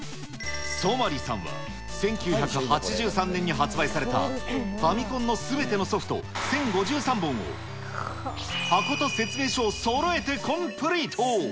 ソマリさんは、１９８３年に発売されたファミコンのすべてのソフト１０５３本を、箱と説明書をそろえてコンプリート。